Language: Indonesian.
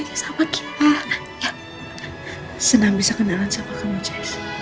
bapaknya semua keluarga kita